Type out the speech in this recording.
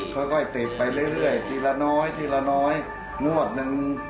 ค่อยติดไปเรื่อยทีละน้อยงวดนึง